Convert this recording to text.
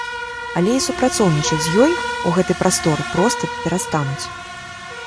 Але і супрацоўнічаць з ёй у гэтай прасторы проста перастануць.